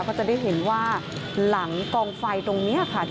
ก็จะได้เห็นว่าหลังกองไฟตรงนี้ค่ะ